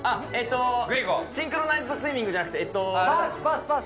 シンクロナイズドスイミングパス、パス。